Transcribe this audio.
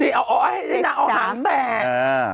นี่เอาเอาหางแตะ